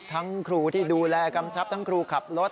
ครูที่ดูแลกำชับทั้งครูขับรถ